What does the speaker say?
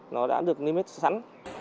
nó đã được limit sẵn